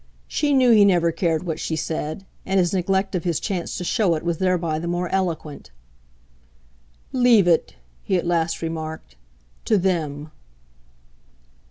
She knew he never cared what she said, and his neglect of his chance to show it was thereby the more eloquent. "Leave it," he at last remarked, "to THEM."